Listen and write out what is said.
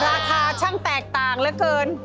ราคาช่างแตกต่างเหลือเกิน